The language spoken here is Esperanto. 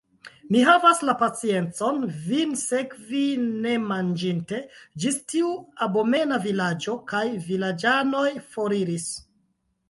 Mi havas la paciencon vin sekvi nemanĝinte, ĝis tiu abomena vilaĝo; kaj vilaĝanoj foriris!